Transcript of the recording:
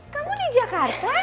kamu di jakarta